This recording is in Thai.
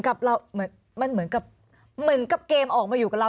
คือเหมือนกับเกมออกมาอยู่กับเรา